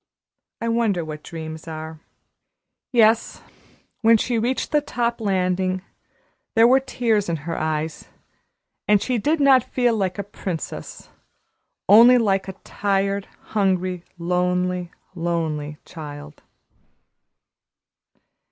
I wonder what dreams are." Yes, when she reached the top landing there were tears in her eyes, and she did not feel like a princess only like a tired, hungry, lonely, lonely child.